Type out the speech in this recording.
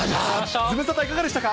ズムサタいかがでしたか？